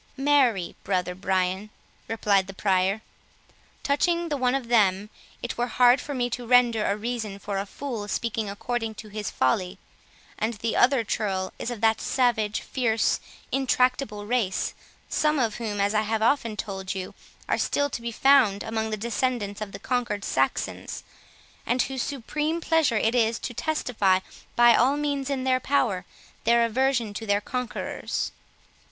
"Marry, brother Brian," replied the Prior, "touching the one of them, it were hard for me to render a reason for a fool speaking according to his folly; and the other churl is of that savage, fierce, intractable race, some of whom, as I have often told you, are still to be found among the descendants of the conquered Saxons, and whose supreme pleasure it is to testify, by all means in their power, their aversion to their conquerors."